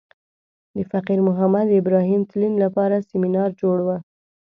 د فقیر محمد ابراهیم تلین لپاره سمینار جوړ و.